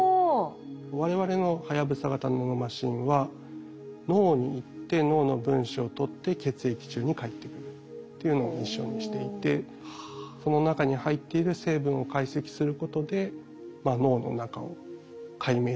我々のはやぶさ型ナノマシンは脳に行って脳の分子を取って血液中に帰ってくるっていうのをミッションにしていてその中に入っている成分を解析することでなるほど。